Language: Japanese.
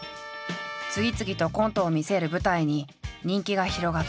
次々とコントを見せる舞台に人気が広がった。